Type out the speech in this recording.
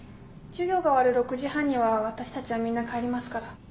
授業が終わる６時半にはわたしたちはみんな帰りますから。